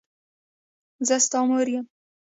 زه ستا مور یم.